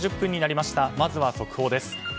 まずは速報です。